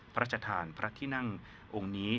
พระชะธานพระธินั่งองค์นี้